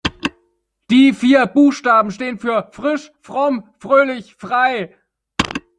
Die vier Buchstaben stehen für „Frisch, fromm, fröhlich, frei“.